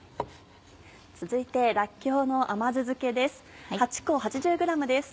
続いてらっきょうの甘酢漬けです。